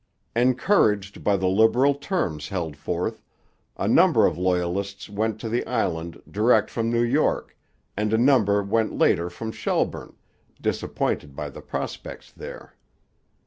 Encouraged by the liberal terms held forth, a number of Loyalists went to the island direct from New York, and a number went later from Shelburne, disappointed by the prospects there.